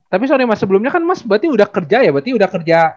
tapi sorry mas sebelumnya kan mas berarti udah kerja ya berarti udah kerja